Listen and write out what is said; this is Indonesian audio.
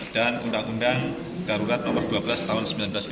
dan undang undang garurat nomor dua belas tahun seribu sembilan ratus lima puluh satu